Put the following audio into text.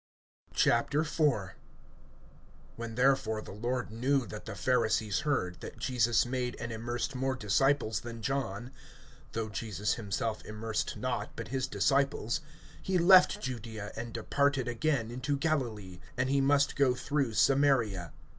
IV. WHEN therefore the Lord knew that the Pharisees heard, that Jesus made and immersed more disciples than John (2)(though Jesus himself immersed not, but his disciples), (3)he left Judaea, and departed again into Galilee. (4)And he must go through Samaria.